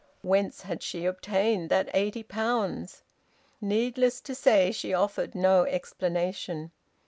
Whence had she obtained that eighty pounds? Needless to say, she offered no explanation.